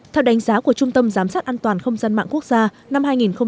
theo đánh giá của trung tâm giám sát an toàn không gian mạng quốc gia năm hai nghìn một mươi chín